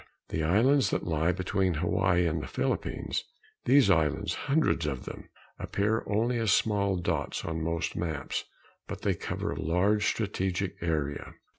The islands that lie between Hawaii and the Philippines these islands, hundreds of them, appear only as small dots on most maps. But they cover a large strategic area.